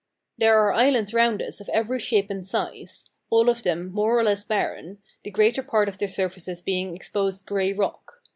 There are islands round us of every shape and size all of them more or less barren, the greater part of their surfaces being exposed grey rock.